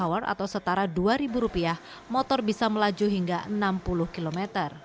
satu tiga kwh atau setara dua rupiah motor bisa melaju hingga enam puluh km